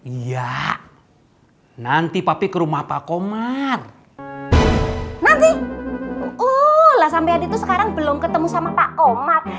iya nanti papi ke rumah pak komar nanti ulasan pihak itu sekarang belum ketemu sama pak komar